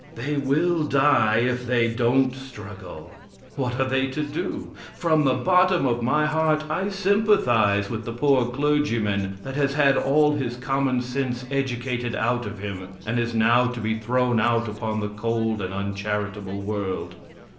They will die if they don't struggle. What are they to do? From the bottom of my heart I sympathize with the poor clergyman that has had all his common sense educated out of him, and is now to be thrown out upon the cold and uncharitable world.